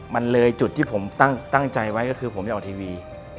มันเลยจุดที่ผมตั้งใจไว้ก็คือผมจะออกทีวี